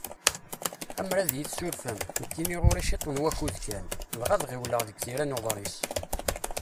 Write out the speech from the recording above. Ammer ad yi-tsurfem, nekki ɣur-i ciṭ n wakud kan, dɣa ad ɣiwleɣ deg tira n uḍris.